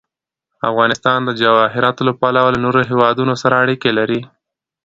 افغانستان د جواهرات له پلوه له نورو هېوادونو سره اړیکې لري.